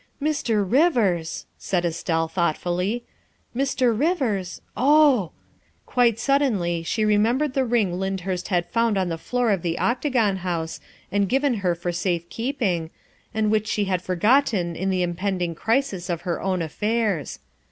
'' "Mr. Rivers," said Estelle thoughtfully, "Mr. Rivers oh Quite suddenly she remembered the ring Lyndhurst had found on the floor of the Octagon House and given her for safe keeping, and which she had forgotten in the impending crisis of her own affairs.